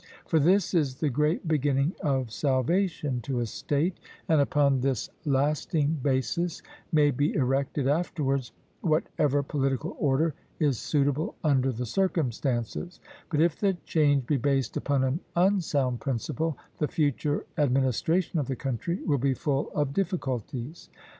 For this is the great beginning of salvation to a state, and upon this lasting basis may be erected afterwards whatever political order is suitable under the circumstances; but if the change be based upon an unsound principle, the future administration of the country will be full of difficulties.